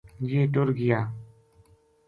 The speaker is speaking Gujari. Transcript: یہ ٹر گیا